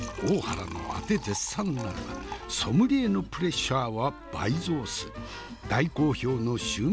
大原のあて絶賛なればソムリエのプレッシャーは倍増す。